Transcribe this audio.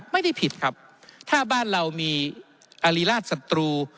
ไม่ได้ผิดครับถ้าบ้านเรามีอริราชศัตรู